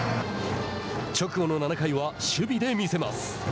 直後の７回は守備で見せます。